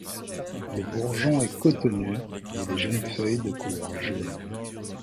Le bourgeon est cotonneux et les jeunes feuilles de couleur jaune.